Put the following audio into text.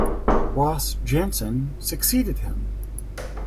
Ross Jansen succeeded him.